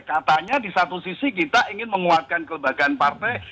katanya di satu sisi kita ingin menguatkan kelembagaan partai